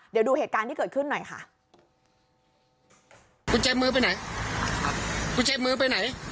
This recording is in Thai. เดี๋ยวดูเหตุการณ์ที่เกิดขึ้นหน่อยค่ะ